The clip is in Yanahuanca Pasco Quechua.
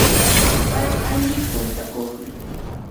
pay alli puntakuqmi.